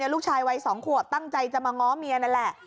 ลูกชายวัย๒ขวบตั้งใจจะมาง้อเมียนั่นแหละ